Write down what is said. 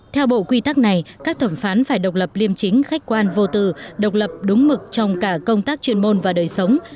theo bộ quy tắc này các thẩm phán phải độc lập liêm chính khách quan vô từ độc lập đúng mực trong cả công tác chuyên môn và đời sống